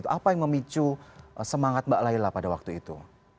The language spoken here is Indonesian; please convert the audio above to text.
apa yang memicu semangat mbak layla pada waktu itu